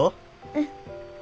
うん。